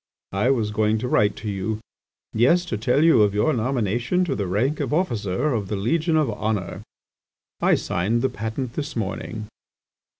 I was going to write to you. ... Yes, to tell you of your nomination to the rank of officer of the Legion of Honour. I signed the patent this morning."